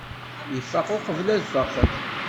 Ifaq uqbel ad faqen.